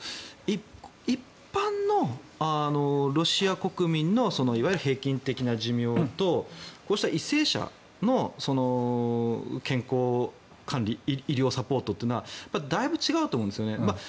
一般のロシア国民のいわゆる平均的な寿命とこうした為政者の健康管理医療サポートというのはだいぶ違うと思うんですよね。